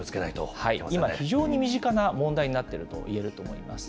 今、非常に身近な問題になっているといえると思います。